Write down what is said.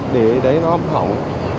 để đấy nó hỏng